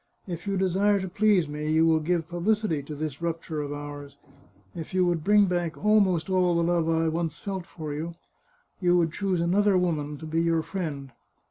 If you desire to please me, you will give publicity to this rupture of ours. If you would bring back almost all the love I once felt for you, you would choose another woman to be your friend.